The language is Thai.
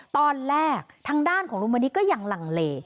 ตอนแรกทางด้านของลุงมณีก็ยังหลั่งเล